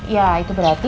ya itu berarti